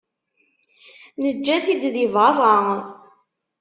Neǧǧa-t-id di berra.